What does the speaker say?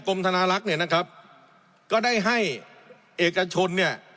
ธนาลักษณ์เนี่ยนะครับก็ได้ให้เอกชนเนี่ย